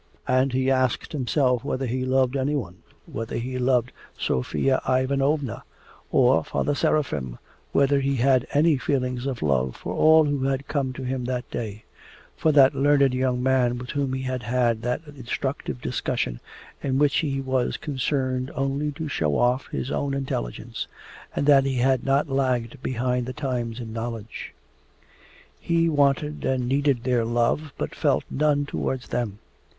And he asked himself whether he loved anyone, whether he loved Sofya Ivanovna, or Father Seraphim, whether he had any feeling of love for all who had come to him that day for that learned young man with whom he had had that instructive discussion in which he was concerned only to show off his own intelligence and that he had not lagged behind the times in knowledge. He wanted and needed their love, but felt none towards them.